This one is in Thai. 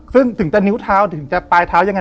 ซึ่งถึงจะนิ้วเท้าถึงจะปลายเท้ายังไง